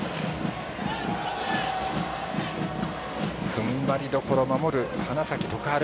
踏ん張りどころを守る花咲徳栄。